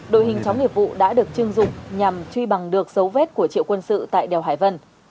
đội hình chó nghiệp vụ đã được chưng dụng nhằm truy bằng được dấu vết của triệu quân sự tại đèo hải vân